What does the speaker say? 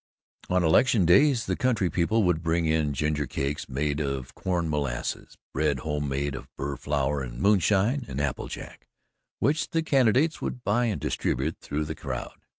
On election days the country people would bring in gingercakes made of cane molasses, bread homemade of Burr flour and moonshine and apple jack which the candidates would buy and distribute through the crowd.